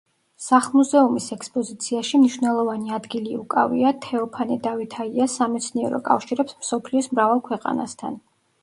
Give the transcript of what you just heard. სახლ-მუზეუმის ექსპოზიციაში მნიშვნელოვანი ადგილი უკავია თეოფანე დავითაიას სამეცნიერო კავშირებს მსოფლიოს მრავალ ქვეყანასთან.